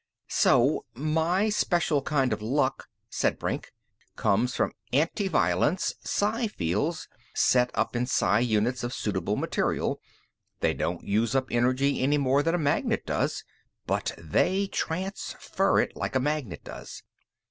"So my special kind of luck," said Brink, "comes from antiviolence psi fields, set up in psi units of suitable material. They don't use up energy any more than a magnet does. But they transfer it, like a magnet does.